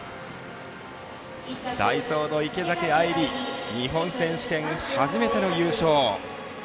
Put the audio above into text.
ダイソーの池崎愛里日本選手権、初めての優勝。